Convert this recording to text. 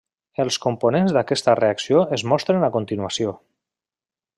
Els components d'aquesta reacció es mostren a continuació.